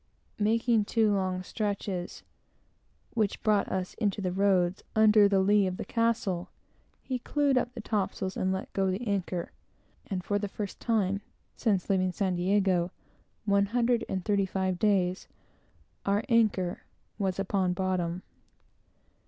Making two long stretches, which brought us into the roads, under the lee of the castle, he clewed up the topsails, and let go the anchor; and for the first time since leaving San Diego, one hundred and thirty five days our anchor was upon bottom.